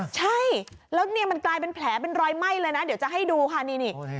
ใช่แล้วเนี่ยมันกลายเป็นแผลเป็นรอยไหม้เลยนะเดี๋ยวจะให้ดูค่ะนี่